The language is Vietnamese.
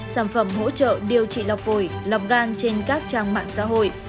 xin chào và hẹn gặp lại